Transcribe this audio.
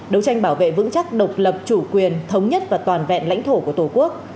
đấu tranh bảo vệ vững chắc độc lập chủ quyền thống nhất và toàn vẹn lãnh thổ của tổ quốc